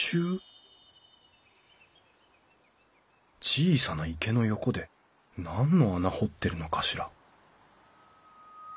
小さな池の横で何の穴掘ってるのかしら？